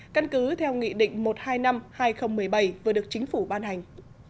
căn cứ theo nghị định một trăm hai mươi năm hai nghìn một mươi bảy vừa được chính phủ ban hành